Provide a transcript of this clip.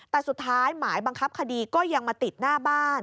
แต่สุดท้ายหมายบังคับคดีก็ยังมาติดหน้าบ้าน